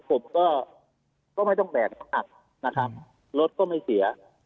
ผมก็ไม่ต้องแบกนะครับรถก็ไม่เสีย